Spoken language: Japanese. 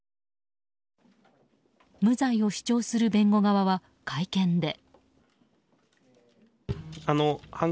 無罪を主張する弁護側は会見で。